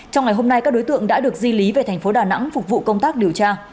trong ngày hôm nay các đối tượng đã được di lý về thành phố đà nẵng phục vụ công tác điều tra